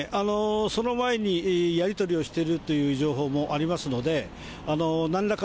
その前にやり取りをしているという情報もありますので、なんらか、